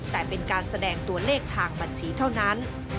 แต่เป็นการแสดงตัวเลขทางบัญชีเท่านั้น